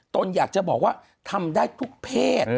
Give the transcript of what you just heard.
ตนอยากจะบอกว่าทำได้ทุกเพศ